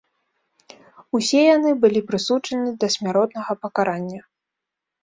Усе яны былі прысуджаны да смяротнага пакарання.